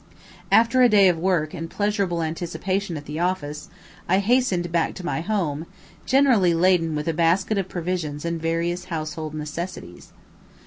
After a day of work and pleasurable anticipation at the office, I hastened back to my home, generally laden with a basket of provisions and various household necessities.